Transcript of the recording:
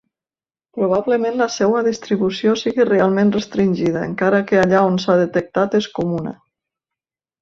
Probablement la seva distribució sigui realment restringida, encara que allà on s'ha detectat és comuna.